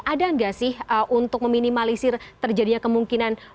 ada nggak sih untuk meminimalisir terjadinya kemungkinan